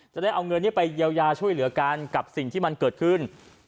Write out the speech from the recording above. จะได้เอาเงินนี้ไปเยียวยาช่วยเหลือกันกับสิ่งที่มันเกิดขึ้น